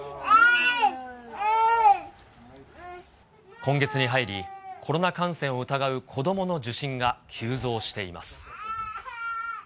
今月に入り、コロナ感染を疑う子どもの受診が急増しています。